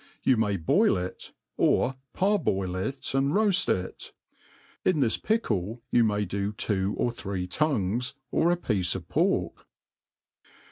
You may boil it, or parboil it and roaft it. In this pickle you may do two or three tongyes, or a piece of pork.